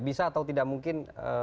bisa atau tidak mungkin